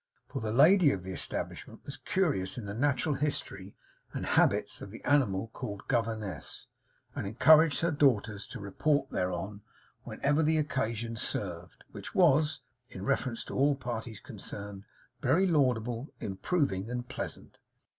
For the lady of the establishment was curious in the natural history and habits of the animal called Governess, and encouraged her daughters to report thereon whenever occasion served; which was, in reference to all parties concerned, very laudable, improving, and pleasant.